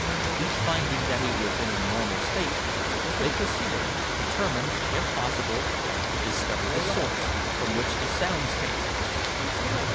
Each finding that he was in a normal state, they proceeded, determined, if possible, to discover the source from which the sounds came.